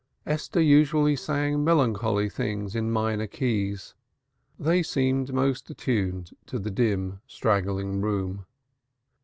Esther usually sang melancholy things in minor keys. They seemed most attuned to the dim straggling room.